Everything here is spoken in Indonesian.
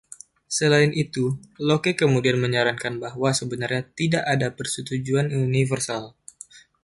Selain itu, Locke kemudian menyarankan bahwa sebenarnya "tidak ada" persetujuan universal.